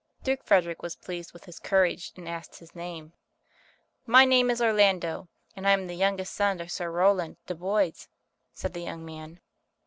Duke Frederick was pleased with his courage, and asked his name. "My name is Orlando, and I am the youngest son of Sir Rowland de Boys," said the young man.